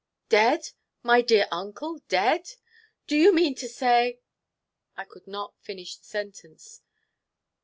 "Dead, my dear uncle dead! Do you mean to say" I could not finish the sentence.